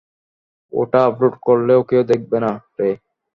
ওটা আপলোড করলেও কেউ দেখবে না, রে।